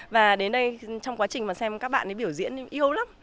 và đến đây trong quá trình mà xem các bạn ấy biểu diễn yêu lắm